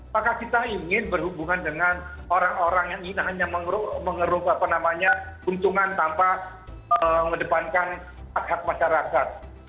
maka kita ingin berhubungan dengan orang orang yang ingin hanya mengeruk guncungan tanpa mendepankan hak hak masyarakat